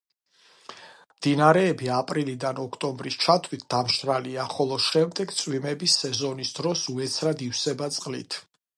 მდინარეები აპრილიდან ოქტომბრის ჩათვლით დამშრალია, ხოლო შემდეგ წვიმების სეზონის დროს უეცრად ივსება წყლით.